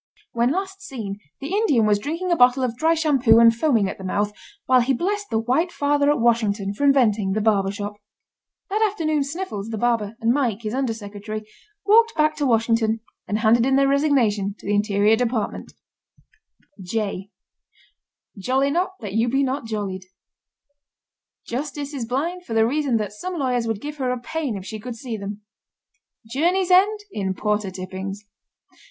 When last seen the Indian was drinking a bottle of dry shampoo and foaming at the mouth, while he blessed the White Father at Washington for inventing the barber shop. That afternoon Sniffles, the barber, and Mike, his under secretary, walked back to Washington and handed in their resignation to the Interior Department. [Illustration: "J The Tip End of the season."] Jolly not that you be not jollied. Justice is blind for the reason that some lawyers would give her a pain if she could see them. Journeys end in porter tippings.